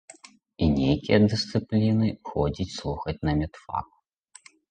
І нейкія дысцыпліны ходзіць слухаць на медфак.